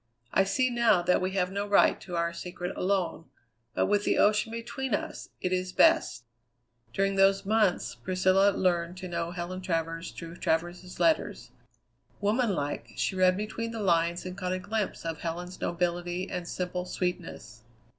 I see now that we have no right to our secret alone; but with the ocean between us, it is best." During those months Priscilla learned to know Helen Travers through Travers's letters. Woman like, she read between the lines and caught a glimpse of Helen's nobility and simple sweetness.